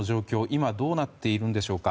今どうなっているんでしょうか。